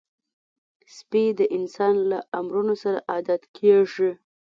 سپي د انسان له امرونو سره عادت کېږي.